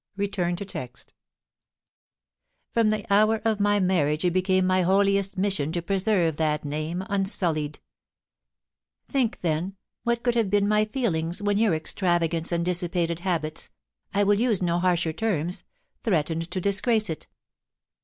• From the hour of my marriage it became my holiest mission to preserve that name unsullied Think then, what could have been my feelings when your extravagance and dissipated habits — I will use no harsher terms — threatened to disgrace it